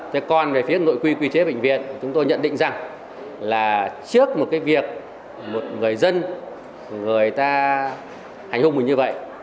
thế còn về phía nội quy quy chế bệnh viện chúng tôi nhận định rằng là trước một cái việc một người dân người ta hành hung mình như vậy